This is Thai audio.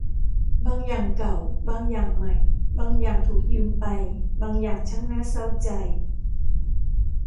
บางอย่างเก่า บางอย่างใหม่ บางอย่างถูกยืมไป บางอย่างช่างน่าเศร้าใจ